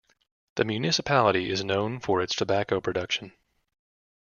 The municipality is known for its tobacco production.